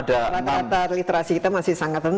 data literasi kita masih sangat rendah